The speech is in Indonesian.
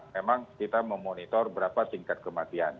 memang kita memonitor berapa tingkat kematian